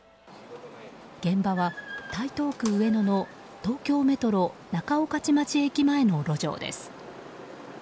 現場は、台東区上野の東京メトロ仲御徒町駅の路上です。